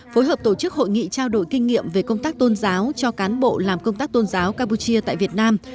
phối hợp tổ chức hội nghị trao đổi kinh nghiệm về công tác tôn giáo cho cán bộ làm công tác tôn giáo campuchia tại việt nam